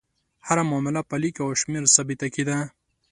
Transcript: هره معامله په لیک او شمېر ثابته کېده.